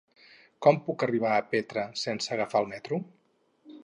Com puc arribar a Petra sense agafar el metro?